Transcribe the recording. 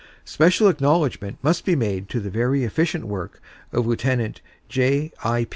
Special acknowledgement must be made of the very efficient work of Lieut. J. I.